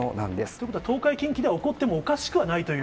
ということは、東海、近畿ではおかしくはないという？